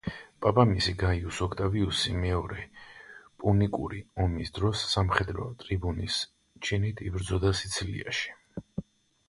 პაპამისი, გაიუს ოქტავიუსი, მეორე პუნიკური ომის დროს, სამხედრო ტრიბუნის ჩინით იბრძოდა სიცილიაში.